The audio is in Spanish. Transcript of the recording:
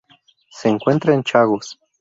Se encuentra en Chagos.